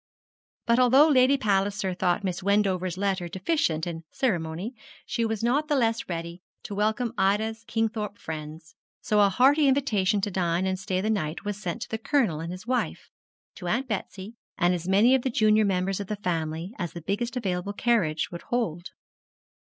But although Lady Palliser thought Miss Wendover's letter deficient in ceremony, she was not the less ready to welcome Ida's Kingthorpe friends; so a hearty invitation to dine and stay the night was sent to the Colonel and his wife, to Aunt Betsy, and as many of the junior members of the family as the biggest available carriage would hold.